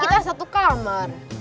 kan kita satu kamar